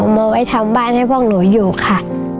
มาไว้ทำบ้านให้พวกหนูอยู่ค่ะ